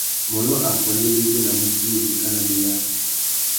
Mônô affuênê i bétēnamú tsumu itéka nabéyari.